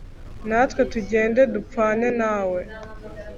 natwe tugende dupfane na we